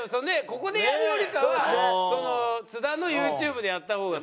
ここでやるよりかは津田のユーチューブでやった方が。